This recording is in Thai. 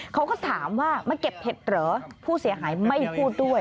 เขาก็ถามว่ามาเก็บเห็ดเหรอผู้เสียหายไม่พูดด้วย